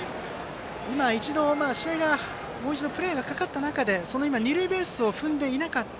もう一度、プレーがかかった中で二塁ベースを踏んでいなかった。